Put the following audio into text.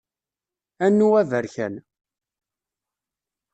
Anu aberkan.